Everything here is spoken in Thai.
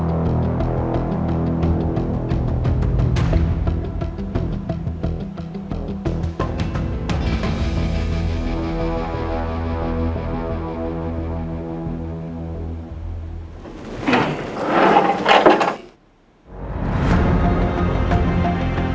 อ้าวไม่เป็นไรเก็บภาพก่อนก็ได้